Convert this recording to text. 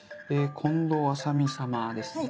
近藤麻美様ですね？